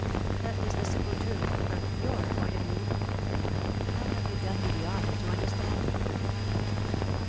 "That is the simple truth, from your point of view?" "How have you done me the honour to understand me?"